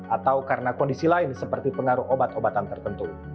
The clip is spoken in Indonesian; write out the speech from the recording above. atau karena kondisi lain seperti pengaruh obat obatan tertentu